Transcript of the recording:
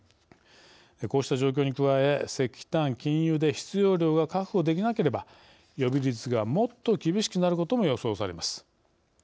こうした状況に加え石炭禁輸で必要量が確保できなければ予備率がもっと厳しくなることも予想されます。